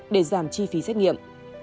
để giảm chi phí xét nghiệm